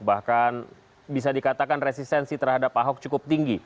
bahkan bisa dikatakan resistensi terhadap ahok cukup tinggi